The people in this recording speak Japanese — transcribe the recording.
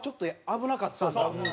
危なかったです。